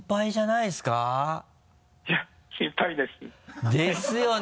いや心配です ですよね！